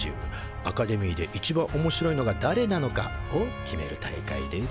アカデミーで一番おもしろいのがだれなのかを決める大会です。